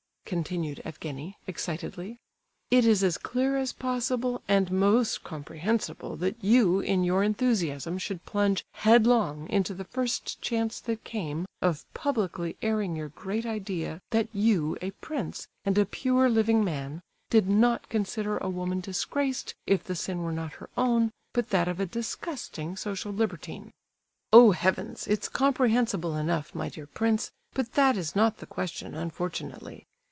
continued Evgenie, excitedly. "It is as clear as possible, and most comprehensible, that you, in your enthusiasm, should plunge headlong into the first chance that came of publicly airing your great idea that you, a prince, and a pure living man, did not consider a woman disgraced if the sin were not her own, but that of a disgusting social libertine! Oh, heavens! it's comprehensible enough, my dear prince, but that is not the question, unfortunately!